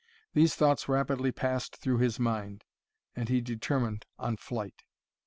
These thoughts rapidly passed through his mind, and he determined on flight.